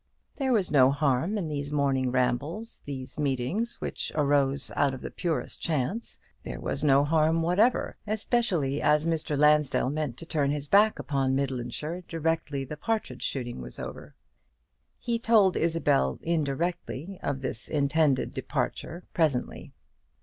There was no harm in these morning rambles, these meetings, which arose out of the purest chance. There was no harm whatever: especially as Mr. Lansdell meant to turn his back upon Midlandshire directly the partridge shooting was over. He told Isabel, indirectly, of this intended departure, presently.